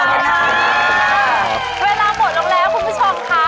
เวลาหมดลงแล้วคุณผู้ชมค่ะ